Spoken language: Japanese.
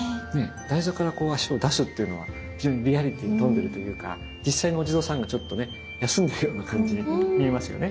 台座から足を出すっていうのは非常にリアリティーに富んでるというか実際のお地蔵さんがちょっとね休んでるような感じに見えますよね。